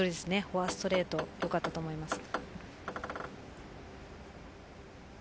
フォアストレートよかったと思います。